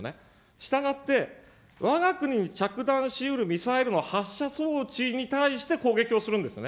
したがって、わが国に着弾しうるミサイルの発射装置に対して攻撃をするんですよね。